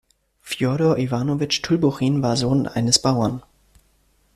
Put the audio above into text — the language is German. Fjodor Iwanowitsch Tolbuchin war Sohn eines Bauern.